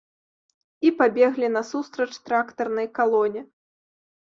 І пабеглі насустрач трактарнай калоне.